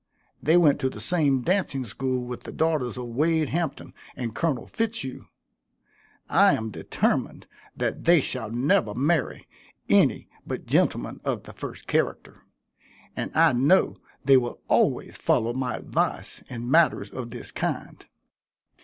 They went to the same dancing school with the daughters of Wade Hampton and Colonel Fitzhugh. I am determined that they shall never marry any but gentlemen of the first character, and I know they will always follow my advice in matters of this kind.